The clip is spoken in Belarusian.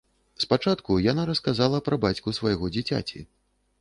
Спачатку яна расказала пра бацьку свайго дзіцяці.